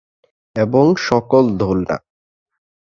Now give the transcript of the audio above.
এবং সকল দোলনা।